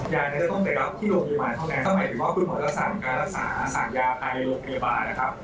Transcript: อย่างที่กล่าวแบบว่ากินไปแล้วใกล้ไม่เกิน๕นาทีอาจจะหลับได้เลยครับ